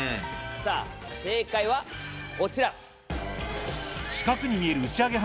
さぁ正解はこちら。